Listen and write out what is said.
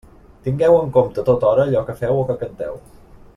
Tingueu en compte a tota hora allò que feu o que canteu.